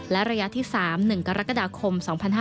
และระยะที่๓๑กรกฎาคม๒๕๕๙